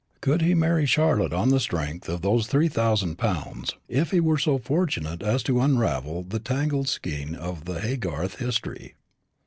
Could he marry Charlotte on the strength of those three thousand pounds, if he were so fortunate as to unravel the tangled skein of the Haygarth history?